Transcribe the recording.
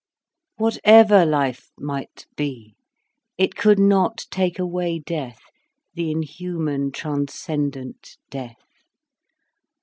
Whatever life might be, it could not take away death, the inhuman transcendent death.